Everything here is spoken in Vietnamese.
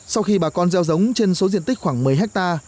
sau khi bà con gieo giống trên số diện tích khoảng một mươi ha